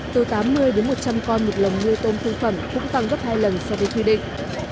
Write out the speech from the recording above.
từ tám mươi đến một trăm linh con một lồng nuôi tôm thương phẩm cũng tăng gấp hai lần so với quy định